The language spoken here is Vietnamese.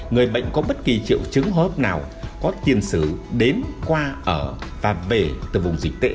người bệnh có bất kỳ triệu chứng hốp nào có tiền sử đến qua ở và về từ vùng dịch tễ